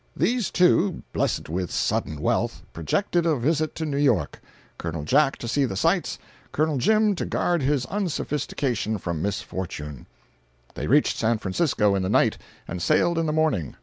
These two, blessed with sudden wealth, projected a visit to New York,—Col. Jack to see the sights, and Col. Jim to guard his unsophistication from misfortune. They reached San Francisco in the night, and sailed in the morning.